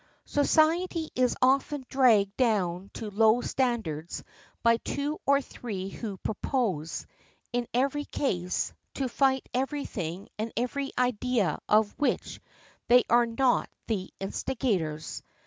Society is often dragged down to low standards by two or three who propose, in every case, to fight every thing and every idea of which they are not the instigators.